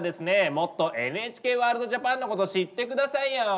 もっとＮＨＫワールドＪＡＰＡＮのこと知って下さいよ。